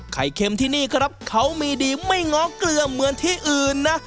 เค็มที่นี่ครับเขามีดีไม่ง้อเกลือเหมือนที่อื่นนะ